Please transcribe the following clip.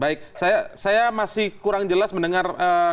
baik saya masih kurang jelas mendengar